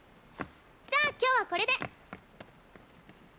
じゃあ今日はこれで！